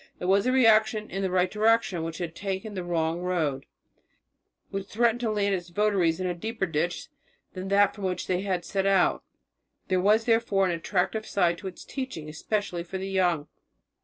It was a reaction in the right direction which had taken the wrong road, which threatened to land its votaries in a deeper ditch than that from which they had set out. There was therefore an attractive side to its teaching, especially for the young.